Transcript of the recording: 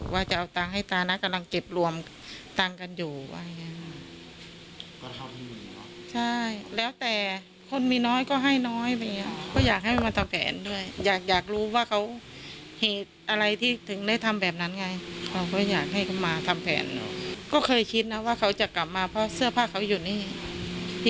พี่ก็คิดว่าน่าจะกลับมาหรือเปล่าอะไรเนี่ย